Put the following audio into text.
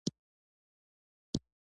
غوسه مه کوه پوه شه